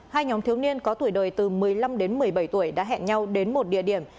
hai nhóm thiếu niên có tuổi đời từ một mươi năm đến một mươi bảy tuổi đã hẹn nhau đến một địa điểm